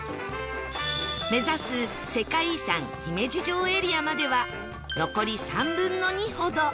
目指す世界遺産姫路城エリアまでは残り３分の２ほど